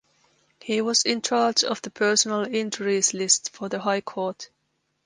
He was in charge of the personal injuries list for the High Court.